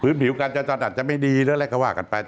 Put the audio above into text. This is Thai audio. ผลิตผิวการจยาตรถ้าจะไม่ดีเล่าแหละก็ว่ากันไป